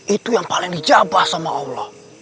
itu yang paling dijabah sama allah